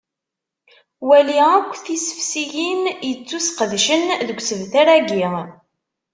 Wali akk tisefsiyin ittusqedcen deg usebter-agi.